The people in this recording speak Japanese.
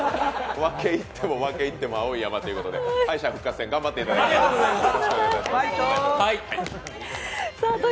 分け入っても分け入っても青い山ということで敗者復活戦、頑張ってください。